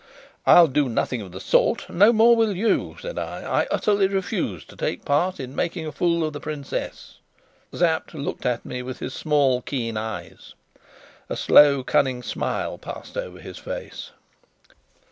"I'll do nothing of the sort no more will you!" said I. "I utterly refuse to take part in making a fool of the princess." Sapt looked at me with his small keen eyes. A slow cunning smile passed over his face.